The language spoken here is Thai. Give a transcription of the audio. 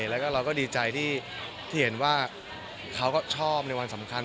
แล้วก็เราก็ดีใจที่เห็นว่าเขาก็ชอบในวันสำคัญ